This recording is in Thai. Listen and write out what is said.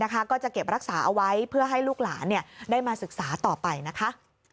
ก็จะเก็บรักษาเอาไว้เพื่อให้ลูกหลานได้มาศึกษาต่อไปนะคะ